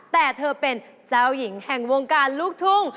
แต่เธอเป็นเจ้าหญิงแห่งวงการลูกทุ่ง